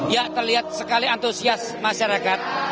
ya terlihat sekali antusias masyarakat